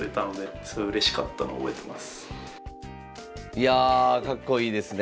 いやかっこいいですね。